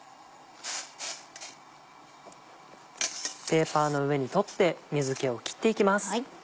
ペーパーの上に取って水気を切っていきます。